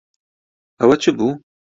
ئەوە چ بوو؟